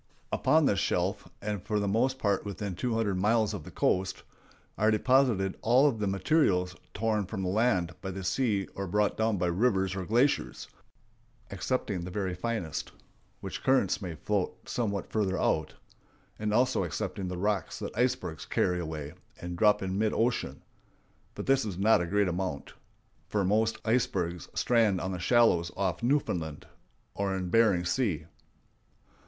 Upon this shelf, and for the most part within two hundred miles of the coast, are deposited all of the materials torn from the land by the sea or brought down by rivers or glaciers, excepting the very finest, which currents may float somewhat farther out, and also excepting the rocks that icebergs carry away and drop in mid ocean; but this is not a great amount, for most icebergs strand on the shallows off Newfoundland or in Bering Sea.